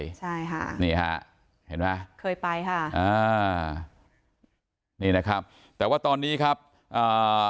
ใช่ค่ะนี่ฮะเห็นไหมเคยไปค่ะอ่านี่นะครับแต่ว่าตอนนี้ครับอ่า